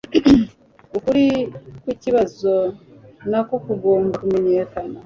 Ukuri kwikibazo nako kugomba kumenyekana